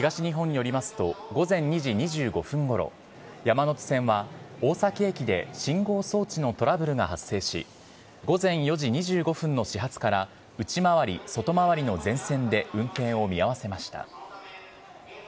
ＪＲ東日本によりますと、午前２時２５分ごろ、山手線は大崎駅で信号装置のトラブルが発生し、午前４時２５分の始発から、内回り・外回りの全線で運転を見合わせました。